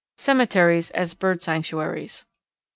_Cemeteries as Bird Sanctuaries.